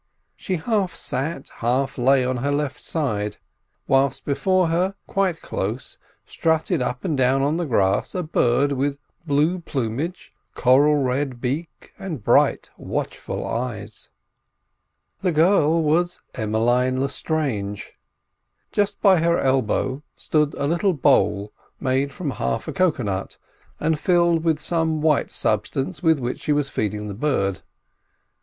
She half sat, half lay on her left side; whilst before her, quite close, strutted up and down on the grass, a bird, with blue plumage, coral red beak, and bright, watchful eyes. The girl was Emmeline Lestrange. Just by her elbow stood a little bowl made from half a cocoa nut, and filled with some white substance with which she was feeding the bird.